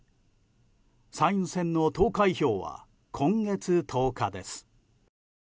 参院選の投開票は今月１０日です。